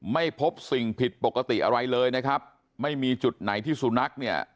ไม่พบสิ่งผิดปกติอะไรเลยนะครับไม่มีจุดไหนที่สุนัขเนี่ย